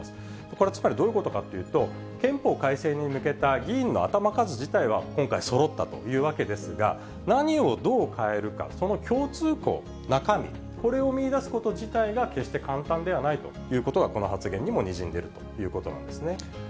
これはつまりどういうことかというと、憲法改正に向けた議員の頭数自体は今回、そろったというわけですが、何をどう変えるか、その共通項、中身、これを見いだすこと自体が決して簡単ではないということが、この発言にもにじんでいるということなんですね。